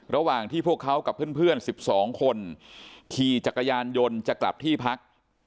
ระหว่างที่พวกเขากับเพื่อน๑๒คนขี่จักรยานยนต์จะกลับที่พัก